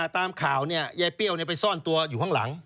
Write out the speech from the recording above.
ตามข่าวยายเปรี้ยวไปซ่อนตัวอยู่ข้างหลัง